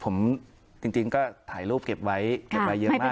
ผมจริงจริงก็ถ่ายรูปเก็บไว้เยอะมาก